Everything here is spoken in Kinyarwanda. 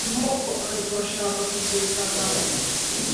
amoko atatu bashaka kuzitatanya